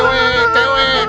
kamu sangat mirip banget